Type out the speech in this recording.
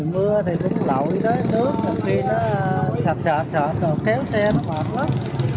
mưa thì nó lội nước khi nó sạch sạch rồi kéo xe nó mệt lắm